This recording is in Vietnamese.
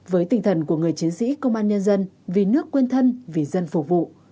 với tinh thần của người chiến sĩ công an nhân dân vì nước quên thân vì dân phục vụ